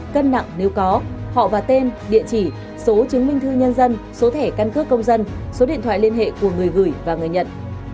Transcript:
cân nặng nếu có họ và tên địa chỉ số chứng minh thư nhân dân số thẻ căn cước công dân số điện thoại liên hệ của người gửi và người nhận